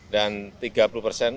dan tiga puluh persen